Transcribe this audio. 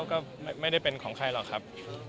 ก็ไม่ได้เป็นของใครหรอกครับ